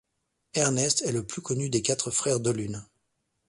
Ernest est le plus connu des quatre frères Delune.